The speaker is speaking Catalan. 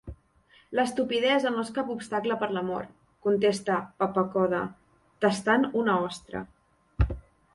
"L'estupidesa no és cap obstacle per l'amor", contesta Pappacoda, tastant una ostra.